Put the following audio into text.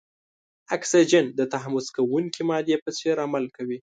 اکسیجن د تحمض کوونکې مادې په څېر عمل کوي.